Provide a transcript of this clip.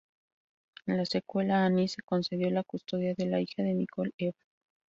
En la secuela Annie se concedió la custodia de la hija de Nicole, Eva.